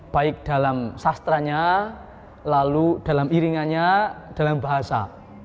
baik dalam sastranya lalu dalam iringannya dalam bahasa